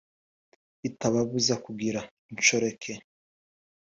bitababuza kugira inshoreke